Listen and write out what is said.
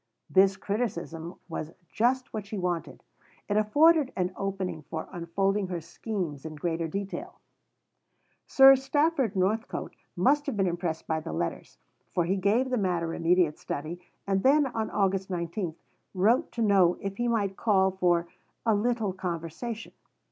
This criticism was just what she wanted; it afforded an opening for unfolding her schemes in greater detail. Sir Stafford Northcote must have been impressed by the letters; for he gave the matter immediate study, and then, on August 19, wrote to know if he might call for "a little conversation."